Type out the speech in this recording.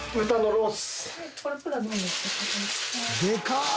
でかっ！